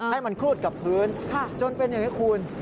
ให้มันครูดกับพื้นจนเป็นอย่างนี้คุณ